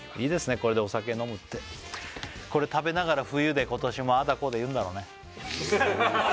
これでお酒飲むってこれ食べながら冬で今年もあーだこーだ言うんだろうね